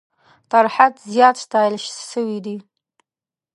تر حد زیات ستایل سوي دي.